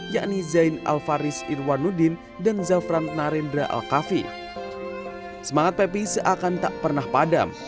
yakni zain alfaris irwanuddin dan zafran narendra al kafi semangat guard is akan tak pernah padam